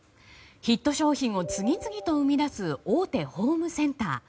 ヒット商品を次々と生み出す大手ホームセンター。